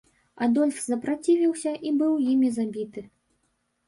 Адольф запрацівіўся і быў імі забіты.